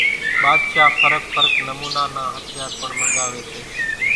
ٻاۮشاھ ڦرق ڦرق نمونا نان ھٿيار پڻ منڳاوي سي